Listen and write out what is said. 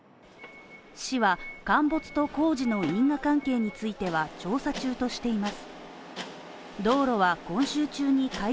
市は陥没と工事の因果関係については調査中としています。